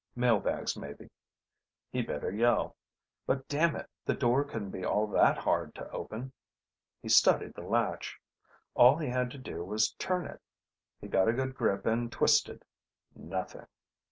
Mail bags, maybe. He'd better yell. But dammit, the door couldn't be all that hard to open. He studied the latch. All he had to do was turn it. He got a good grip and twisted. Nothing.